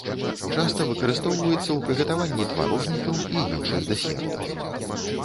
Часта выкарыстоўваецца ў прыгатаванні тварожнікаў і іншых дэсертаў.